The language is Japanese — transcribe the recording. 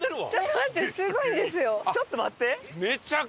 ちょっと待って！